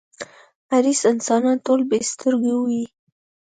حریص انسانان ټول بې سترگو وي.